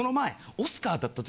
オスカーだったんだ。